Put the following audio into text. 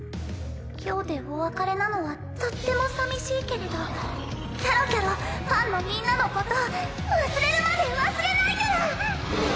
今日でお別れなのはとっても寂しいけれどキャロキャロファンのみんなのこと忘れるまで忘れないから！